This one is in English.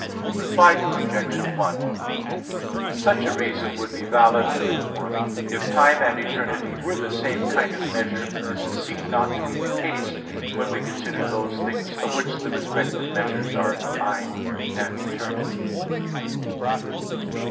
Reply Obj. 1: Such a reason would be a valid one if time and eternity were the same kind of measure; but this is seen not to be the case when we consider those things of which the respective measures are time and eternity.